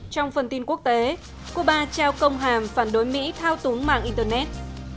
trong phần tin quốc tế cuba trao công hàm phản đối mỹ thao túng mạng internet